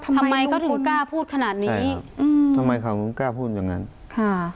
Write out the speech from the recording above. ทำไมก็ถึงกล้าพูดขนาดนี้อืมทำไมเขาถึงกล้าพูดอย่างนั้นค่ะ